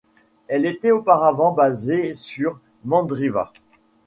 Elle était auparavant basée sur Mandriva.